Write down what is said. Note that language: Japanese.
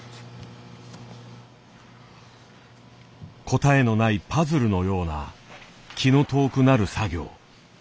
答えのないパズルのような気の遠くなる作業。